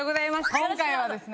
今回はですね